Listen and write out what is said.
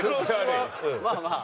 まあまあ。